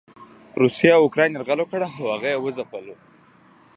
روسيې پر اوکراين يرغل وکړ او هغه یې وځپلو.